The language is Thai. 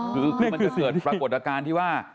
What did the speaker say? คือมันจะเกิดปรากฏการณ์ที่ว่า